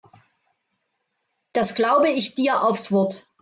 Das glaube ich dir aufs Wort.